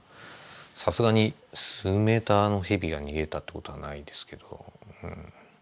さすがに数メーターのヘビが逃げたってことはないですけど。